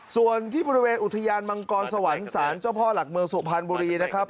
ส่วนที่บริเวณอุทยานมังกรสวรรค์ศาลเจ้าพ่อหลักเมืองสุพรรณบุรีนะครับ